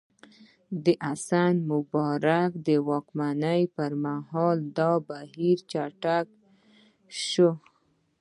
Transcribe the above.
د حسن مبارک د واکمنۍ پر مهال دا بهیر چټک شو.